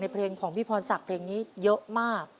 เพลงของพี่พรศักดิ์เพลงนี้เยอะมาก